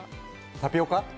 タピオカ？